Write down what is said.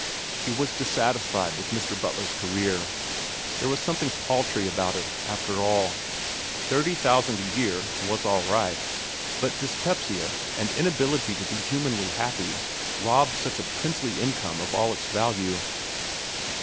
He was dissatisfied with Mr. Butler's career. There was something paltry about it, after all. Thirty thousand a year was all right, but dyspepsia and inability to be humanly happy robbed such princely income of all its value.